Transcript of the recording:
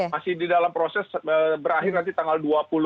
masih di dalam proses berakhir nanti tanggal dua puluh